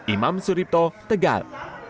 imam suripto tegal